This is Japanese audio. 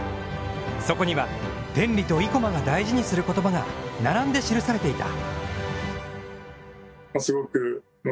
そこには天理と生駒が大事にする言葉が並んで記されていた。